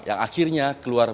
yang akhirnya keluar menyerang